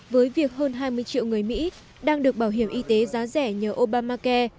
với việc hơn hai mươi triệu người mỹ đang được bảo hiểm y tế giá rẻ nhờ obamacai